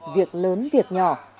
việc lớn việc nhỏ